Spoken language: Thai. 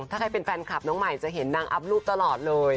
ถ้าใครเป็นแฟนคลับน้องใหม่จะเห็นนางอัพรูปตลอดเลย